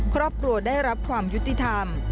ครอบครัวได้รับความยุติธรรม